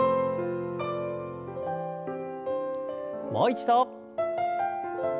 もう一度。